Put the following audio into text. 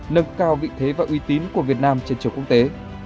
nâng cao vị thế và uy tín của việt nam trên trường quốc tế